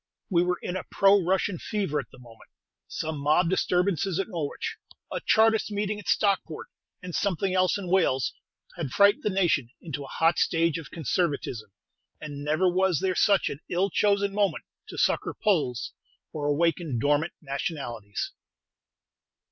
We were in a pro Russian fever at the moment. Some mob disturbances at Norwich, a Chartist meeting at Stockport, and something else in Wales, had frightened the nation into a hot stage of conservatism; and never was there such an ill chosen moment to succor Poles or awaken dormant nationalities.